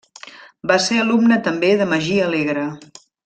Va ser alumne també de Magí Alegre.